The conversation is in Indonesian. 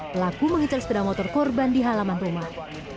pelaku mengejar sepeda motor korban di halaman rumah